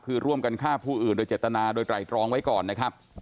คือร่วมกันฆ่าผู้อื่นโดยเจตนาโดยไตรตรองไว้ก่อนนะครับ